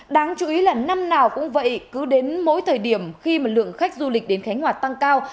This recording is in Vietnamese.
đáng chú ý là năm nào cũng vậy cứ đến mỗi thời điểm khi mà lượng khách du lịch đến khánh hòa tăng cao